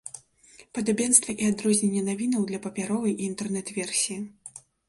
Падабенства і адрозненне навінаў для папяровай і інтэрнэт-версіі.